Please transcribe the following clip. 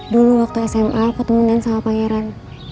dulu waktu sma aku temen kan sama pak regan